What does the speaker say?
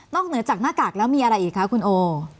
เหนือจากหน้ากากแล้วมีอะไรอีกคะคุณโอ